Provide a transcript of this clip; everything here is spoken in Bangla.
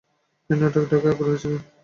তিনি নাটক লেখায় আগ্রহী হয়েছিলেন।